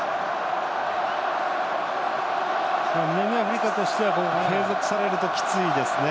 南アフリカとしては継続されると、きついですね。